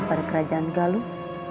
pada kerajaan galuh